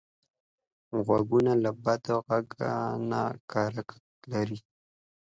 غوږونه له بد غږ نه کرکه لري